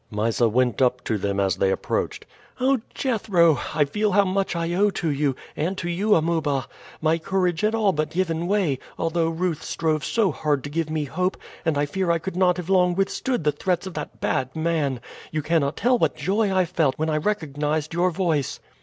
Mysa went up to them as they approached. "Oh, Jethro! I feel how much I owe to you; and to you, Amuba. My courage had all but given way, although Ruth strove so hard to give me hope, and I fear I could not have long withstood the threats of that bad man. You cannot tell what joy I felt when I recognized your voice."